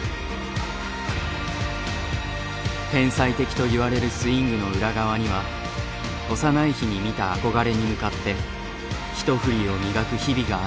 天才的といわれるスイングの裏側には幼い日に見た憧れに向かって「一振り」を磨く日々があった。